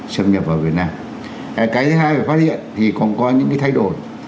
cái thứ hai phải phát hiện thì còn có những cái thay đổi